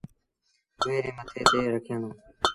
اُئي ري مٿي تي رکيآندونٚ